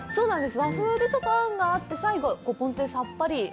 和風の餡があって、最後、ポン酢でさっぱり。